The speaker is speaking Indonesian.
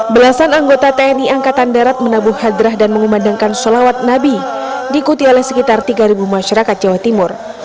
belasan anggota tni angkatan darat menabuh hadrah dan mengumandangkan sholawat nabi diikuti oleh sekitar tiga masyarakat jawa timur